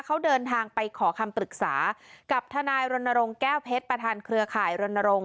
เขาเดินทางไปขอคำปรึกษากับทนายรณรงค์แก้วเพชรประธานเครือข่ายรณรงค